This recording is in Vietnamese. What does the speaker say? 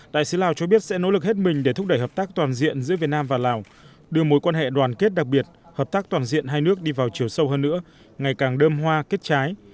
đại sứ lào cho biết sẽ nỗ lực hết mình để thúc đẩy hợp tác toàn diện giữa việt nam và lào đưa mối quan hệ đoàn kết đặc biệt hợp tác toàn diện hai nước đi vào chiều sâu hơn nữa ngày càng đơm hoa kết trái